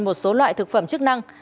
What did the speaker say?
một số loại thực phẩm chức năng